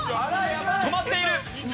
止まっている。